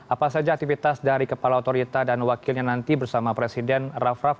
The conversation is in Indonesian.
apa saja aktivitas dari kepala otorita dan wakilnya nanti bersama presiden raff raff